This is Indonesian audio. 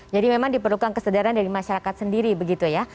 jadi memang diperlukan kesadaran dari masyarakat sendiri begitu ya